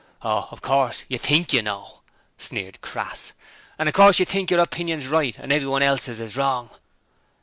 'Oh, of course, you think you know,' sneered Crass, 'and of course you think your opinion's right and everybody else's is wrong.'